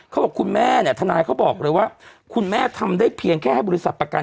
คุณแม่เนี่ยทนายเขาบอกเลยว่าคุณแม่ทำได้เพียงแค่ให้บริษัทประกัน